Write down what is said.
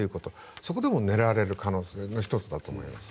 そこでも狙われる可能性の１つだと思います。